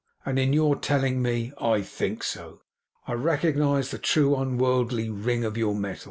and in your telling me "I think so," I recognize the true unworldly ring of YOUR metal.